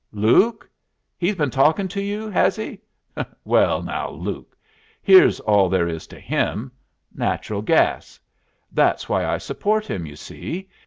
"Luke? He's been talking to you, has he? Well now, Luke. Here's all there is to him: Natural gas. That's why I support him, you see.